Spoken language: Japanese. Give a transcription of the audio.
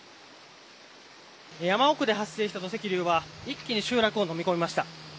山奥で発生した土石流は一気に集落を飲み込みました。